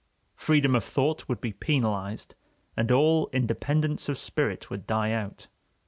Freedom of thought would be penalized, and all independence of spirit would die out.